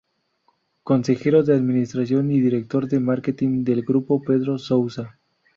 Consejero de Administración y Director de Marketing del Grupo Pedro Sousa.